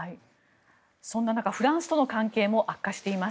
そんな中フランスとの関係も悪化しています。